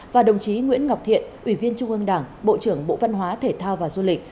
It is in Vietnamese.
và đồng chí nguyễn ngọc thiện ủy viên trung ương đảng bộ trưởng bộ văn hóa thể thao và du lịch